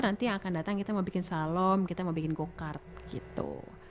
nanti yang akan datang kita mau bikin salom kita mau bikin go kart gitu